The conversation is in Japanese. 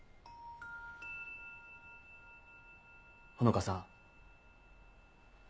穂香さん。